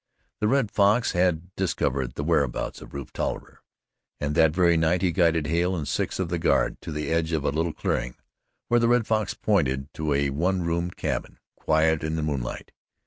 The Red Fox had discovered the whereabouts of Rufe Tolliver, and that very night he guided Hale and six of the guard to the edge of a little clearing where the Red Fox pointed to a one roomed cabin, quiet in the moonlight.